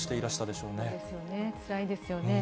そうですよね、つらいですよね。